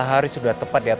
hancurkan pasukan daniman